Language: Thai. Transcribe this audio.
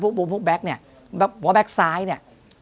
พวกพวกพวกแบ็คเนี้ยแบบว่าแบ็คซ้ายเนี้ย